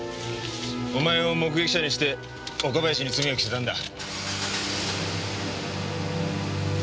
お前を目撃者にして岡林に罪を着せたんだ。